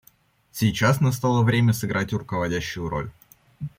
Сейчас настало время сыграть руководящую роль.